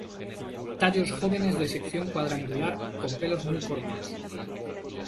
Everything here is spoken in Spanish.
Tallos jóvenes de sección cuadrangular, con pelos muy cortos.